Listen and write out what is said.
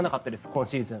今シーズン。